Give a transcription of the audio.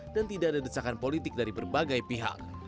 dan tidak ada desakan politik dari berbagai pihak